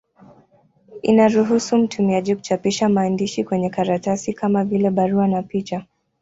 Inaruhusu mtumiaji kuchapisha maandishi kwenye karatasi, kama vile barua na picha.